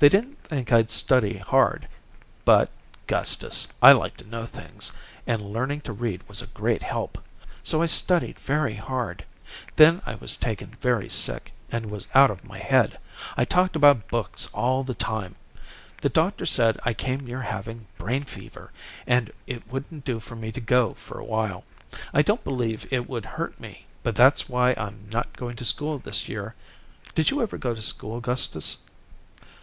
They didn't think I'd study hard, but, Gustus, I like to know things, and learning to read was a great help. So I studied very hard. Then I was taken very sick and was out of my head. I talked about books all the time. The doctor said I came near having brain fever, and it wouldn't do for me to go for awhile. I don't believe it would hurt me, but that's why I'm not going to school this year. Did you ever go to school, Gustus?"